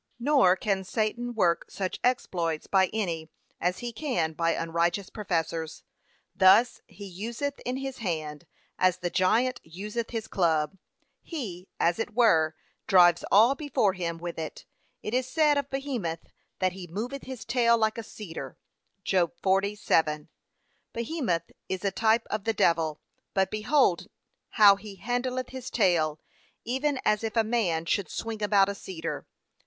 Nor can Satan work such exploits by any, as he can by unrighteous professors. These he useth in his hand, as the giant useth his club; he, as it were, drives all before him with it. It is said of Behemoth, that 'he moveth his tail like a cedar.' (Job 40:7) Behemoth is a type of the devil, but behold how he handleth his tail, even as if a man should swing about a cedar.